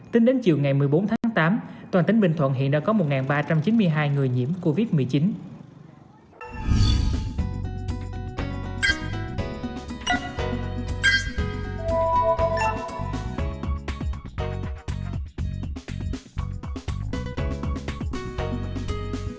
tính đến chiều ngày một mươi bốn tháng tám toàn tỉnh bình thuận hiện đã có một ba trăm chín mươi hai người nhiễm covid một mươi chín